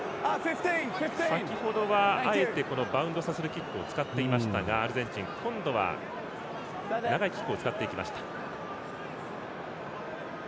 先ほどはあえてバウンドさせるキックを使っていましたがアルゼンチン今度は、長いキックを使っていきました。